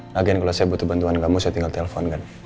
nagen kalau saya butuh bantuan kamu saya tinggal telepon kan